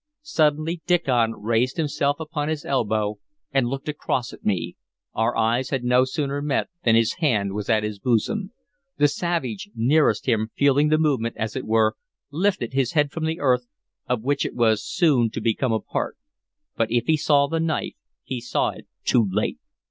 Suddenly Diccon raised himself upon his elbow, and looked across at me. Our eyes had no sooner met than his hand was at his bosom. The savage nearest him, feeling the movement, as it were, lifted his head from the earth, of which it was so soon to become a part; but if he saw the knife, he saw it too late.